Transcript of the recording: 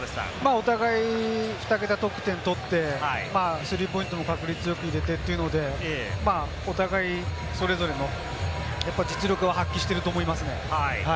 お互い、２桁得点取って、スリーポイントも確率よく入れて、お互い、それぞれの実力を発揮していると思いますね。